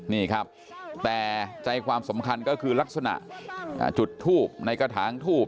นี่ครับแต่ใจความสำคัญก็คือลักษณะจุดทูบในกระถางทูบ